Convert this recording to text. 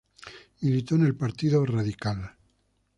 Militó en el Partido Radical.